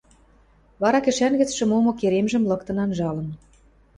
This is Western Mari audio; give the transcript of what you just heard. Вара кӹшӓн гӹцшӹ момы керемжӹм лыктын анжалын.